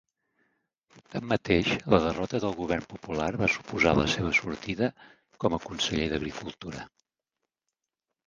Tanmateix, la derrota del govern popular va suposar la seva sortida com a conseller d'agricultura.